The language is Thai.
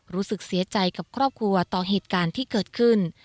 รู้สึกเสียใจกับครอบครัวต่อเหตุการณ์ที่เกิดขึ้น